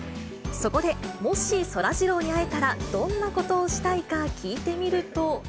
そこで、もしそらジローに会えたら、どんなことをしたいか聞いてみると。